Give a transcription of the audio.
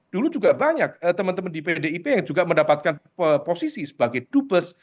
dulu juga banyak teman teman di pdip yang juga mendapatkan posisi sebagai dubes